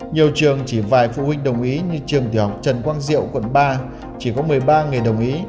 nhiều trường chỉ vài phụ huynh đồng ý như trường tiểu học trần quang diệu quận ba chỉ có một mươi ba nghề đồng ý